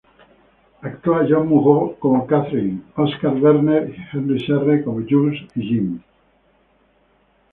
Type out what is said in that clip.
Actúan Jeanne Moreau como Catherine, Oskar Werner y Henri Serre como Jules y Jim.